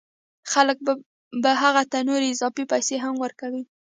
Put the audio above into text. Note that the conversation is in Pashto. خلک به هغه ته نورې اضافه پیسې هم ورکوي